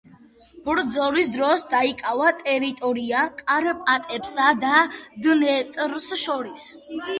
ბრძოლის დროს დაიკავა ტერიტორია კარპატებსა და დნესტრს შორის.